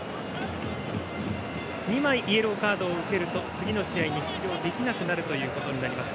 ２枚イエローカードを受けると次の試合に出場できなくなります。